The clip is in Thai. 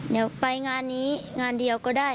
เดี๋ยวไปงานนี้งานเดียวก็ได้